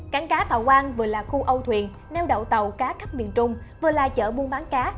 cảng cá thọ quang vừa là khu âu thuyền neo đậu tàu cá cấp miền trung vừa là chợ buôn bán cá